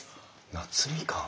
夏みかん。